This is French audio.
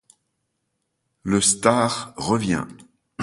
Le Star revient.